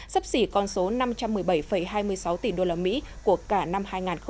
sắp xỉ con số năm trăm một mươi bảy hai mươi sáu tỷ đô la mỹ của cả năm hai nghìn một mươi chín